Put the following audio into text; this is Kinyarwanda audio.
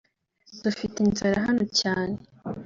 dufite inzara hano cyane »